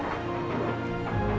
ini aja gua udah siap